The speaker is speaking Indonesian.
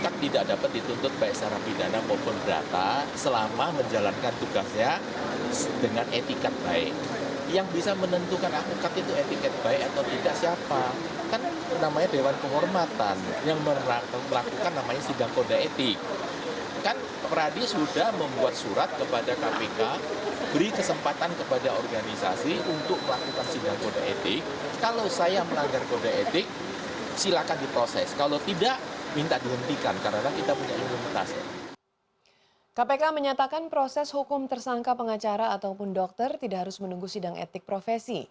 kpk menyatakan proses hukum tersangka pengacara ataupun dokter tidak harus menunggu sidang etik profesi